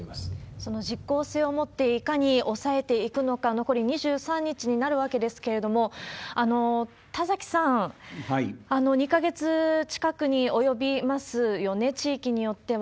その実効性を持って、いかに抑えていくのか、残り２３日になるわけですけれども、田崎さん、２か月近くに及びますよね、地域によっては。